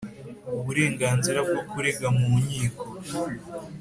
Uburenganzira bwo kurega mu nkiko